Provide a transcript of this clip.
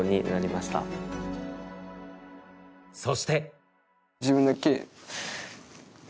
そして。